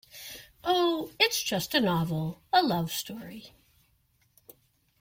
Oh, it's just a novel, a love story.